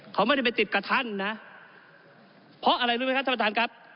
เขาไม่ได้ไปติดกับท่านนะเพราะอะไรรู้ไหมครับท่านประธานครับ